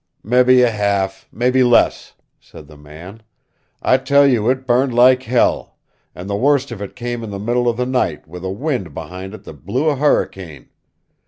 "Mebby a half, mebby less," said the man. "I tell you it burned like hell, and the worst of it came in the middle of the night with a wind behind it that blew a hurricane.